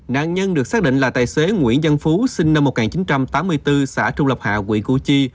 nạn nhân được xác định là tài xế nguyễn văn phú sinh năm một nghìn chín trăm tám mươi bốn xã trung lập hạ quỹ củ chi